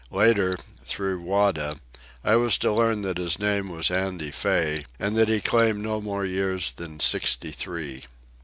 Later, through Wada, I was to learn that his name was Andy Fay and that he claimed no more years than sixty three.